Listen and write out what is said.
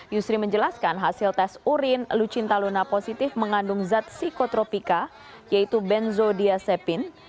yusri menjelaskan hasil tes urin lucinta luna positif mengandung zat psikotropika yaitu benzodiasepin